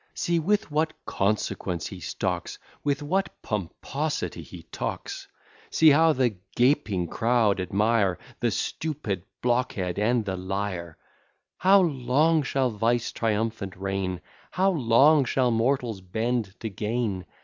See with what consequence he stalks! With what pomposity he talks! See how the gaping crowd admire The stupid blockhead and the liar! How long shall vice triumphant reign? How long shall mortals bend to gain?